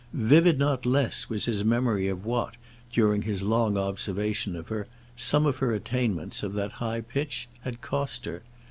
Vivid not less was his memory of what, during his long observation of her, some of her attainments of that high pitch had cost her.